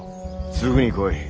すぐに来い。